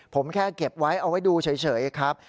ผมแค่เก็บไว้เอาไว้ดูเฉยครับ